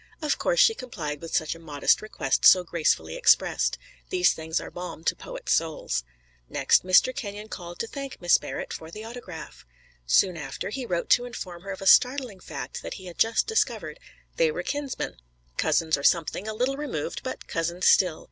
Of course she complied with such a modest request so gracefully expressed; these things are balm to poets' souls. Next, Mr. Kenyon called to thank Miss Barrett for the autograph. Soon after, he wrote to inform her of a startling fact that he had just discovered: they were kinsmen, cousins or something a little removed, but cousins still.